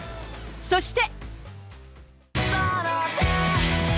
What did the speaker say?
そして。